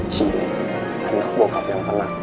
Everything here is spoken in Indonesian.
ciri anak bokap yang tenang